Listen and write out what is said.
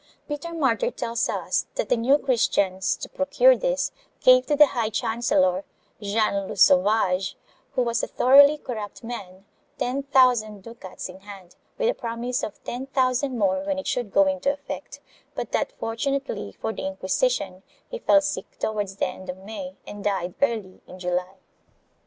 Peter Martyr tells us that the New Christians, to procure this, gave to the high chancellor, Jean le Sauvage, who was a thoroughly corrupt man, ten thousand ducats in hand, with a promise of ten thousand more when it should go into effect, but that, fortunately for the Inquisition, he fell sick towards the end of May and died early in July.